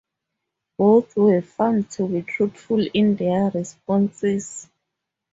Both were found to be truthful in their responses.